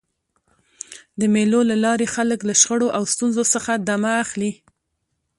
د مېلو له لاري خلک له شخړو او ستونزو څخه دمه اخلي.